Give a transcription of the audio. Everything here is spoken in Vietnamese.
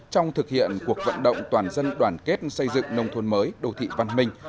trong thực hiện cuộc vận động toàn dân đoàn kết xây dựng nông thôn mới đô thị văn minh